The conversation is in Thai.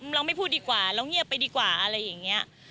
เราไม่พูดดีกว่าเราเงียบไปดีกว่าอะไรอย่างนี้